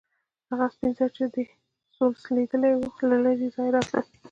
هغه سپین زر چې ډي سولس لیدلي وو له لرې ځایه راتلل.